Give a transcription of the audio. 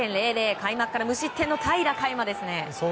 開幕から無失点の平良海馬ですね。